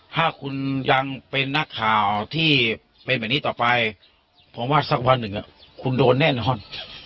ถ้าคุณยังเป็นนักข่าวที่เป็นแบบนี้ต่อไปผมว่าสักวันหนึ่งคุณโดนแน่นอน